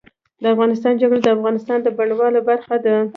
د افغانستان جلکو د افغانستان د بڼوالۍ برخه ده.